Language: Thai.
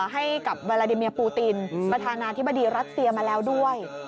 ให้กับวาลาดิเมียปูตินประธานาธิบดีรัสเซียมาแล้วด้วย